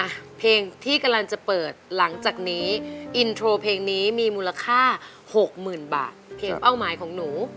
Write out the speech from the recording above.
อ่ะเพลงที่กำลังจะเปิดหลังจากนี้อินโทรเพลงนี้มีมูลค่าหกหมื่นบาทเพลงเป้าหมายของหนู